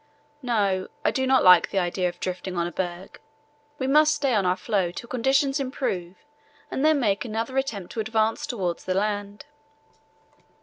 No, I do not like the idea of drifting on a berg. We must stay on our floe till conditions improve and then make another attempt to advance towards the land."